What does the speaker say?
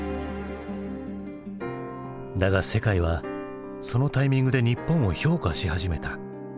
だが世界はそのタイミングで日本を評価し始めた。